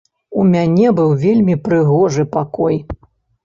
У мяне быў вельмі прыгожы пакой.